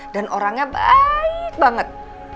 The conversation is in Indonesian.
dan orangnya baik banget